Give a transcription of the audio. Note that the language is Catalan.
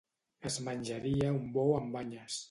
Es menjaria un bou amb banyes.